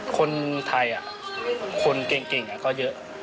คนไทยคนเก่งก็เยอะ